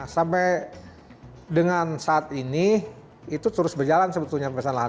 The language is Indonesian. sampai dengan saat ini itu terus berjalan sebetulnya pemeriksaan lahan